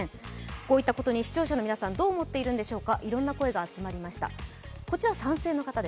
こういったことに視聴者の皆さん、どう思っているのでしょうか。